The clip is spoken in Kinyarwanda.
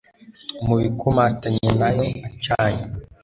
mu bikomatanye nayo acanye